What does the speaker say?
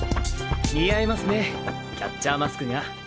似合いますねキャッチャーマスクが。